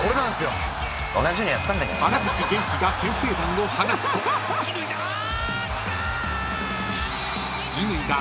［原口元気が先制点を放つと］乾だ。